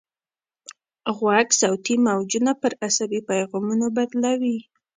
غوږ صوتي موجونه پر عصبي پیغامونو بدلوي.